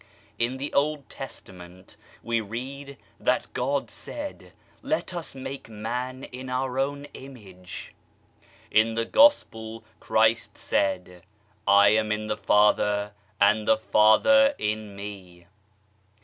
In the Old Testament we read that God said " Let us make man in our Own Image/' In the Gospel, Christ said, " I am in the Father, and the Father in Me.